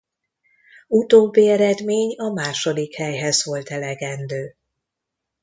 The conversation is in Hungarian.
Utóbbi eredmény a második helyhez volt elegendő.